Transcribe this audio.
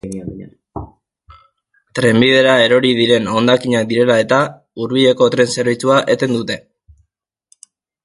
Trenbidera erori diren hondakinak direla-eta, hurbileko tren zerbitzua eten dute.